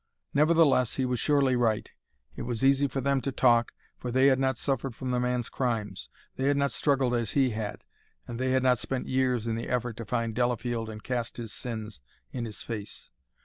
Nevertheless, he was surely right. It was easy for them to talk, for they had not suffered from the man's crimes, they had not struggled as he had, and they had not spent years in the effort to find Delafield and cast his sins in his face.